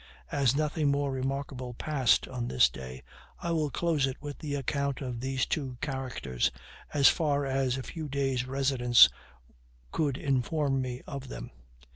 As nothing more remarkable passed on this day I will close it with the account of these two characters, as far as a few days' residence could inform me of them.